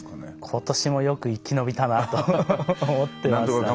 今年もよく生き延びたなと思ってましたね。